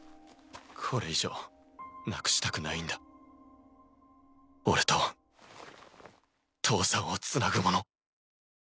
これ以上なくしたくないんだ俺と父さんをつなぐもの。